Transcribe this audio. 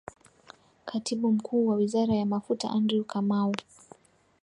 Katibu Mkuu wa Wizara ya Mafuta Andrew Kamau